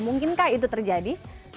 mungkinkah itu terjadi